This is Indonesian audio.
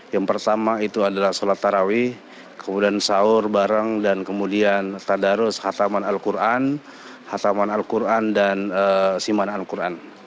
yang pertama itu adalah sholat tarawih kemudian sahur bareng dan kemudian tadarus khataman al quran khataman al quran dan siman al quran